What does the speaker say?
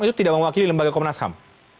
itu tidak mewakili lembaga komnas ham